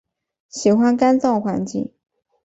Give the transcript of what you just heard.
喜欢干燥环境。